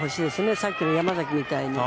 さっきの山崎みたいに。